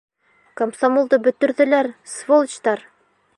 Комсомолды бөтөрҙөләр, сволочтар!